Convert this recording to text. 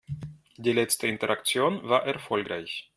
Die letzte Interaktion war erfolgreich.